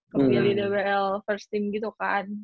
kepilih dbl first team gitu kan